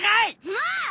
もう！